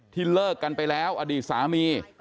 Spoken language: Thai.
เลิกกันไปแล้วอดีตสามี